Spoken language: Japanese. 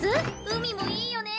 海もいいよね！